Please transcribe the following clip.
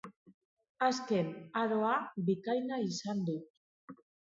Azken aroa bikaina izan du.